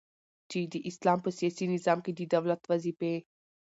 چي د اسلام په سیاسی نظام کی د دولت وظيفي.